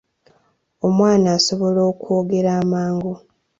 Omwana asobola okwogera amangu.